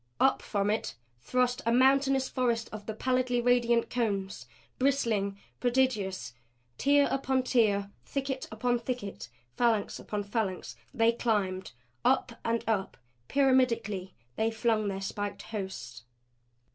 Up from it thrust a mountainous forest of the pallidly radiant cones; bristling; prodigious. Tier upon tier, thicket upon thicket, phalanx upon phalanx they climbed. Up and up, pyramidically, they flung their spiked hosts.